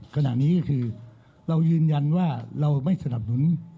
ขณะนี้ก็คือเรายืนยันว่าเราไม่สนับสนุน